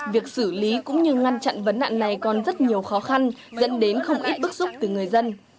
việc xử lý cũng như ngăn chặn vấn nạn này còn rất nhiều khó khăn dẫn đến không ít bức xúc từ người dân